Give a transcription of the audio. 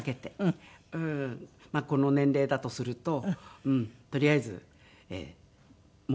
この年齢だとするととりあえずもう全力で。